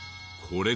これ。